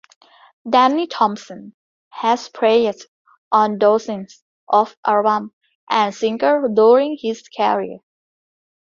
Danny Thompson has played on dozens of albums and singles during his career.